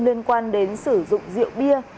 liên quan đến sử dụng rượu bia